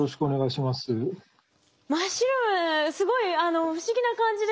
真っ白ですごい不思議な感じでした。